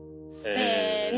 せの。